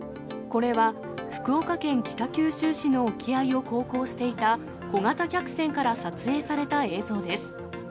これは福岡県北九州市の沖合を航行していた小型客船から撮影された映像です。